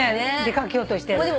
出掛けようとしてるの。